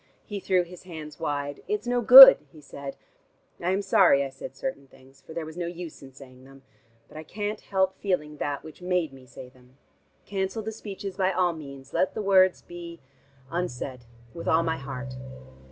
He threw his hands wide. "It's no good," he said. "I am sorry I said certain things, for there was no use in saying them. But I can't help feeling that which made me say them. Cancel the speeches by all means. Let the words be unsaid with all my heart."